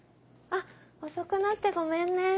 遅くなってごめんね。